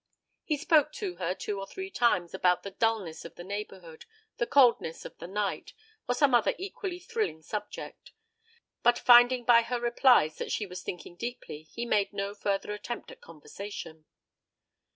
He spoke to her two or three times about the dulness of the neighbourhood, the coldness of the night, or some other equally thrilling subject; but, finding by her replies that she was thinking deeply, he made no further attempt at conversation.